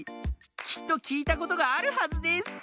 きっときいたことがあるはずです。